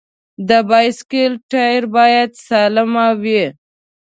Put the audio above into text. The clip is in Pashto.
د بایسکل ټایر باید سالم وي.